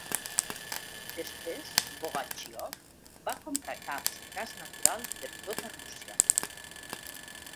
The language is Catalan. Després Bogachyov va comprar camps de gas natural per tota Rússia.